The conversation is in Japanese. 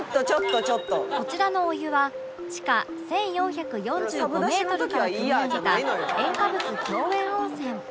こちらのお湯は地下１４４５メートルからくみ上げた塩化物強塩温泉